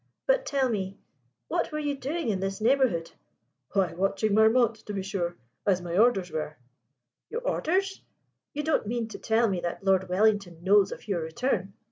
But tell me, what were you doing in this neighbourhood?" "Why, watching Marmont, to be sure, as my orders were." "Your orders? You don't mean to tell me that Lord Wellington knows of your return!"